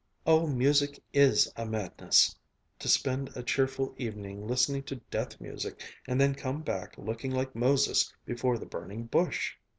"Oh, music is a madness! To spend a cheerful evening listening to death music, and then come back looking like Moses before the Burning Bush!"